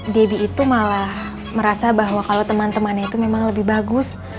debbie itu malah merasa bahwa kalau teman temannya itu memang lebih bagus